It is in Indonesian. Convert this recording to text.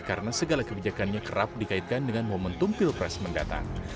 karena segala kebijakannya kerap dikaitkan dengan momentum pilpres mendatang